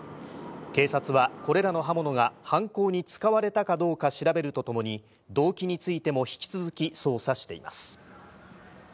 警察はこれらの刃物が犯行に使われたかどうか調べるとともに、動機についても引き続き捜査しています。